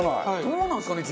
どうなんですかね？